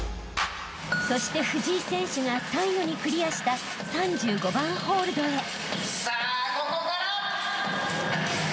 ［そして藤井選手が最後にクリアした３５番ホールドへ］